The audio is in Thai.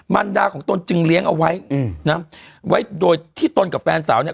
มันดาของตนจึงเลี้ยงเอาไว้อืมนะไว้โดยที่ตนกับแฟนสาวเนี่ย